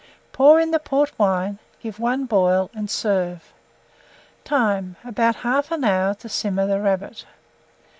Pour in the port wine, give one boil, and serve. Time. About 1/2 hour to simmer the rabbit.